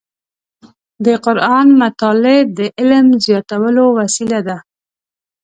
د قرآن مطالع د علم زیاتولو وسیله ده.